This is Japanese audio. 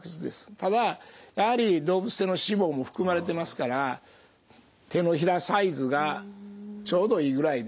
ただやはり動物性の脂肪も含まれてますから手のひらサイズ。ぐらいで。